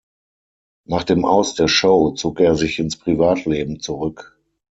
Nach dem Aus der Show zog er sich ins Privatleben zurück.